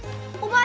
あ。